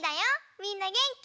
みんなげんき？